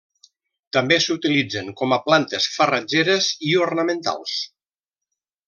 També s'utilitzen com a plantes farratgeres i ornamentals.